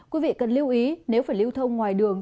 quý vị cần lưu ý nếu phải lưu thông ngoài đường